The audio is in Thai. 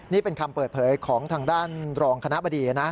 นี่เป็นคำเปิดเผยของทางด้านรองคณะบดีนะ